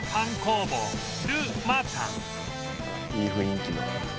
いい雰囲気の。